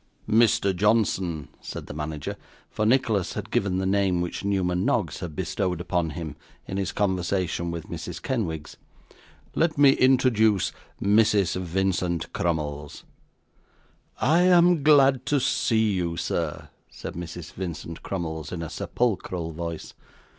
'Mr. Johnson,' said the manager (for Nicholas had given the name which Newman Noggs had bestowed upon him in his conversation with Mrs Kenwigs), 'let me introduce Mrs. Vincent Crummles.' 'I am glad to see you, sir,' said Mrs. Vincent Crummles, in a sepulchral voice.